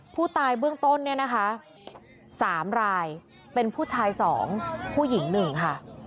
เบื้องต้นเนี่ยนะคะ๓รายเป็นผู้ชาย๒ผู้หญิง๑ค่ะ